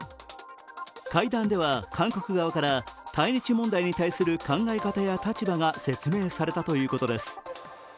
会談では韓国側から対日問題に対する考え方や立場が説明されたということです。